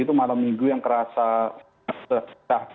itu malam minggu yang kerasa